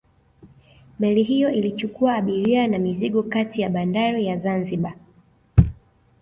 Meli hiyo ilichukua abiria na mizigo kati ya bandari ya Zanzibar